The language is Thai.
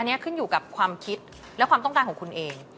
อันนี้ขึ้นอยู่กับความคิดและความต้องการของคุณเอง